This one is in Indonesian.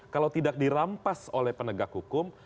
kalau tidak dirampas oleh penegak hukum